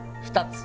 ２つ